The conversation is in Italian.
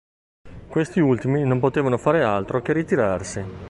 Questi ultimi non potevano fare altro che ritirarsi.